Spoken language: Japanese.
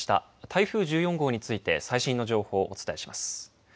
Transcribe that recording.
台風１４号について最新の情報をお伝えします。